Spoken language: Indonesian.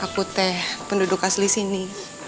aku teh penduduk asli sini